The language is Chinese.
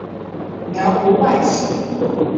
辽国外戚。